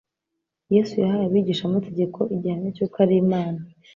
Yesu yahaye abigishamategeko igihamya cy'uko ari Imana,